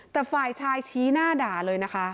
แต่ฝ่ายชายชี้หน้าด่าเลยนะคะ